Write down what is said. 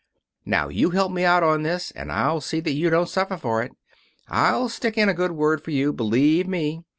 Now you help me out on this and I'll see that you don't suffer for it. I'll stick in a good word for you, believe me.